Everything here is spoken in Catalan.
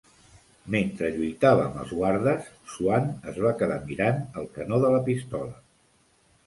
Mentre lluitava amb els guardes, Swan es va quedar mirant el canó de la pistola.